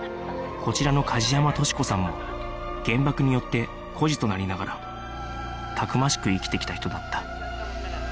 こちらの梶山敏子さんも原爆によって孤児となりながらたくましく生きてきた人だった